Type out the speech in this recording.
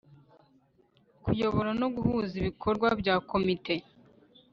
Kuyobora no guhuza ibikorwa bya komite